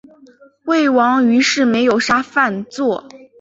魏王于是没有杀范痤。